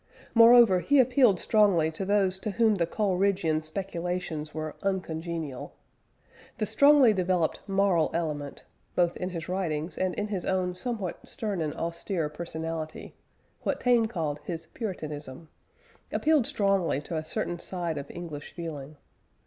Moreover he appealed strongly to those to whom the Coleridgean speculations were uncongenial. The strongly developed moral element, both in his writings and in his own somewhat stern and austere personality what Taine called his "puritanism" appealed strongly to a certain side of English feeling.